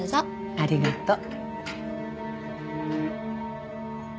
ありがとう。